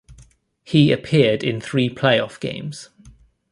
He appeared in three playoff games.